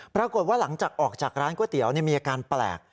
ปรากฏว่าหลังจากออกจากร้านก๋วยเตี๋ยวมีอาการแปลก